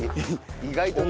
意外とね。